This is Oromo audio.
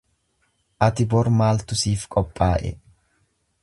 Ati bor maaltu siif qophaa'e?